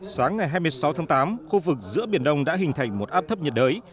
sáng ngày hai mươi sáu tháng tám khu vực giữa biển đông đã hình thành một áp thấp nhiệt đới